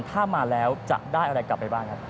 ถ้ามาแล้วจะได้อะไรกลับไปบ้างครับ